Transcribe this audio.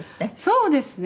「そうですね。